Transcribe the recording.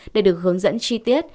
để được hướng dẫn chi tiết